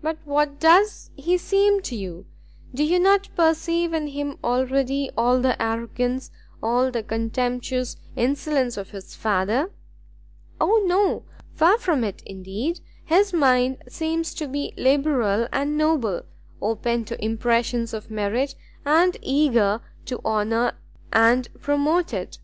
"But what does he seem to you? Do you not perceive in him already all the arrogance, all the contemptuous insolence of his father?" "O no! far from it indeed; his mind seems to be liberal and noble, open to impressions of merit, and eager to honour and promote it."